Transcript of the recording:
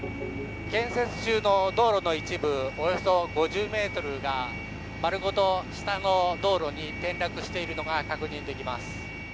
建設中の道路の一部およそ５０メートルが丸ごと下の道路に転落しているのが確認できます。